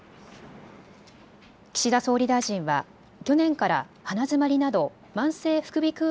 岸田総理大臣は去年から鼻づまりなど慢性副鼻くう